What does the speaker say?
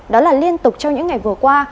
đó là liên tục trong những ngày vừa qua